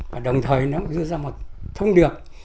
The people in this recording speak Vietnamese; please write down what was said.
và đồng thời nó cũng dư ra một thông điệp